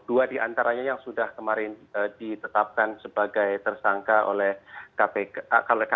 dua diantaranya yang sudah kemarin ditetapkan sebagai tersangka oleh kpk